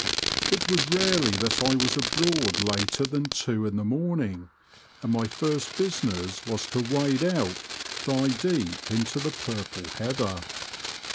It was rarely that I was abroad later than two in the morning, and my first business was to wade out thigh deep into the purple heather.